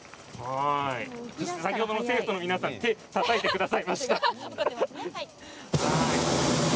先ほどの生徒の皆さん手をたたいてくださいました。